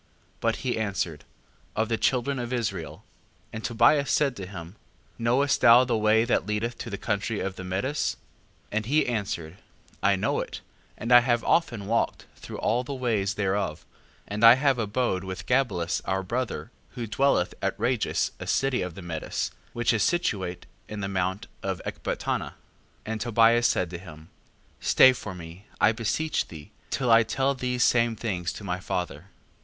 5:7. But he answered: Of the children of Israel. And Tobias said to him: Knowest thou the way that leadeth to the country of the Medes? 5:8. And he answered: I know it: and I have often walked through all the ways thereof, and I have abode with Gabelus our brother, who dwelleth at Rages a city of the Medes, which is situate in the mount of Ecbatana. 5:9. And Tobias said to him: Stay for me, I beseech thee, till I tell these same things to my father.